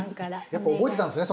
やっぱ覚えてたんですね